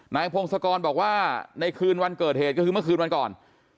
พงศกรบอกว่าในคืนวันเกิดเหตุก็คือเมื่อคืนวันก่อน